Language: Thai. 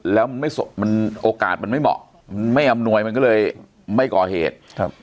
แล้วมันไม่มันโอกาสมันไม่เหมาะไม่อำนวยมันก็เลยไม่ก่อเหตุครับ